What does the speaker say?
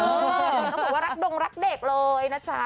เขาบอกว่ารักดงรักเด็กเลยนะจ๊ะ